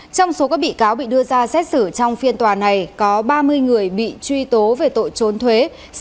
trong số các bị cáo bị đưa ra xét xử trong phiên tòa này có ba mươi người bị truy tố về tội trốn thuế